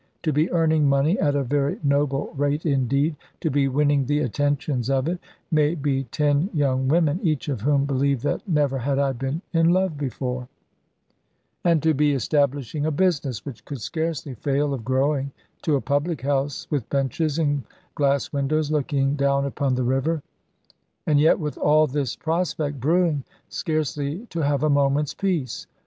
To be earning money at a very noble rate indeed; to be winning the attentions of it may be ten young women (each of whom believed that never had I been in love before); and to be establishing a business which could scarcely fail of growing to a public house with benches and glass windows looking down upon the river; and yet with all this prospect brewing, scarcely to have a moment's peace!